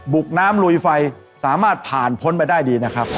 น้ำลุยไฟสามารถผ่านพ้นไปได้ดีนะครับ